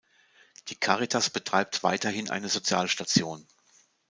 Die Caritas betreibt weiterhin eine Sozialstation.